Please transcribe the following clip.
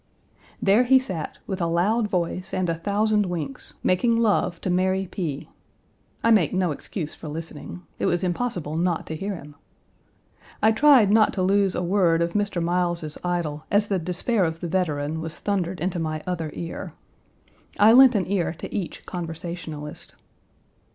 There he sat, with a loud voice and a thousand winks, making love to Mary P. I make no excuse for listening. It was impossible not to hear him. I tried not to lose a word of Mr. Miles's idyl as the despair of the veteran was thundered into my other ear. I lent an ear to each conversationalist.